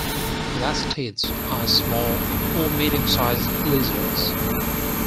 Lacertids are small or medium-sized lizards.